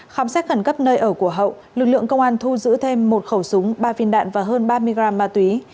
khám xét khẩn cấp nơi ở của hậu lực lượng công an thu giữ thêm một khẩu súng ba viên đạn và hơn ba mươi gram ma túy